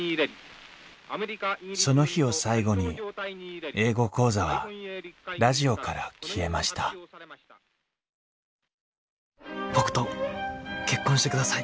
その日を最後に「英語講座」はラジオから消えました僕と結婚してください。